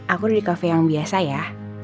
aku udah di kafe yang biasa ya